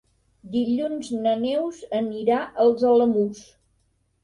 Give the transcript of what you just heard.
Dilluns na Neus anirà als Alamús.